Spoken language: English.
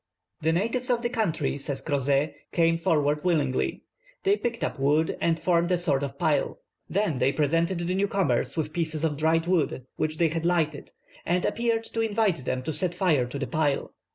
"The natives of the country," says Crozet, "came forward willingly. They picked up wood and formed a sort of pile. They then presented the new comers with pieces of dried wood which they had lighted; and appeared to invite them to set fire to the pile.